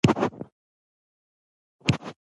ایا زه باید جوړ کړم؟